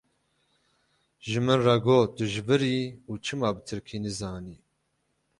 Ji min re got tu ji vir î û çima bi tirkî nizanî.